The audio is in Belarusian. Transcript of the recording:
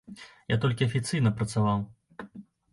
Я толькі афіцыйна працаваў.